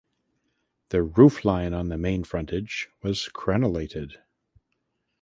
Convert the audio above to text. The roofline on the main frontage was crenelated.